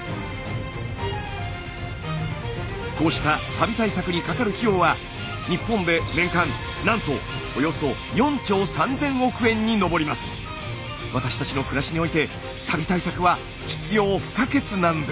こうしたサビ対策にかかる費用は日本で年間なんとおよそ私たちの暮らしにおいてサビ対策は必要不可欠なんです。